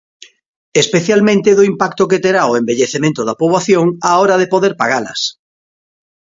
Especialmente do impacto que terá o envellecemento da poboación á hora de poder pagalas.